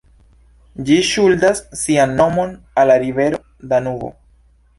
Ĝi ŝuldas sian nomon al la rivero Danubo.